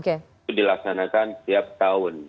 itu dilaksanakan setiap tahun